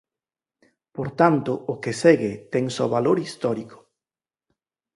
Por tanto o que segue ten só valor histórico.